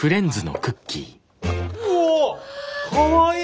うわっかわいい！